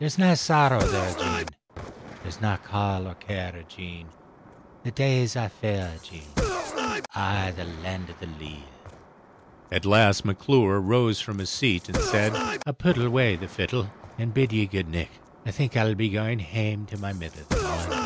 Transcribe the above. There's nae sorrow there, Jean, There's nae caul or care, Jean, The days aye fair, Jean, I' the Land of the Leal. At last McClure rose from his seat, and said, "I'll pit awa the fiddle, and bid ye a good nicht. I think I'll be going hame to my mither the morn."